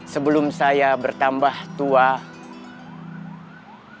sebelum saya berada di kampung